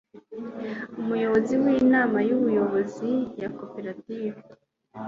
umuyobozi w'inama y'ubuyobozi ya koperative